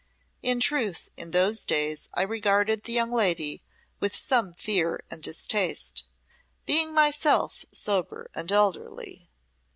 In truth, in those days I regarded the young lady with some fear and distaste, being myself sober and elderly.